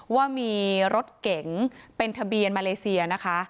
ว่ามีรถเก๋งเป็นทะเบียนมาเลเซียนะคะ